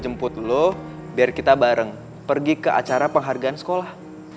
jemput dulu biar kita bareng pergi ke acara penghargaan sekolah